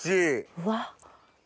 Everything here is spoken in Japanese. うわっ。